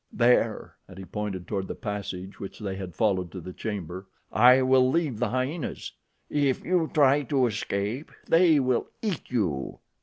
There," and he pointed toward the passage which they had followed to the chamber, "I will leave the hyenas. If you try to escape, they will eat you."